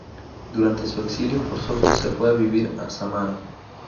Durante su exilio forzoso se fue a vivir a Samara.